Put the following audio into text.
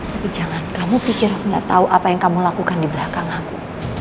tapi jangan kamu pikir aku gak tahu apa yang kamu lakukan di belakang aku